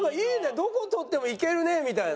どこ撮ってもいけるねみたいな。